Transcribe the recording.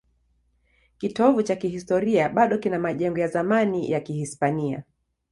Kitovu cha kihistoria bado kina majengo ya zamani ya Kihispania.